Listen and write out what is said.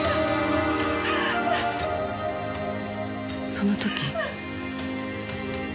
その時。